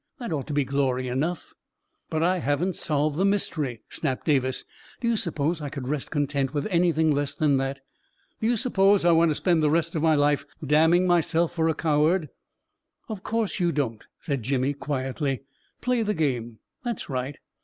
That ought to be glory enough 1 " 44 But I haven't solved the mystery," snapped Davis. 4C Do you suppose I could rest content with anything less than that? Do you suppose I want to spend the rest of my life damning myself for a coward !" 44 Of course you don't!" said Jimmy, quietly. " Play the game ! That's right